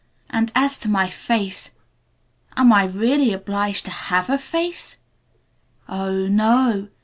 And as to my Face am I really obliged to have a face? Oh, no o!